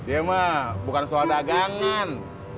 ya mah bukan soal dagangan